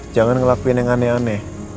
jangan ngelakuin yang aneh aneh